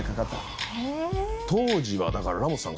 当時はだからラモスさん